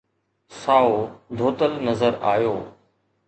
سائو ڌوتل نظر آيو